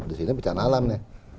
di sini bencana alam nih